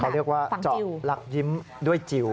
ลักยิ้มด้วยจิว